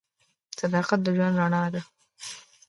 • صداقت د ژوند رڼا ده.